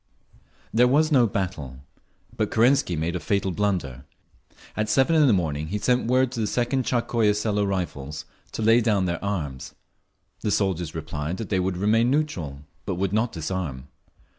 There was no battle. But Kerensky made a fatal blunder. At seven in the morning he sent word to the Second Tsarskoye Selo Rifles to lay down their arms. The soldiers replied that they would remain neutral, but would not disarm.